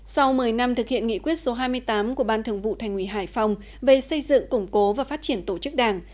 sau một mươi năm thực hiện nghị quyết số hai mươi tám của ban thường vụ thành ủy hải phòng về xây dựng củng cố và phát triển tổ chức đảng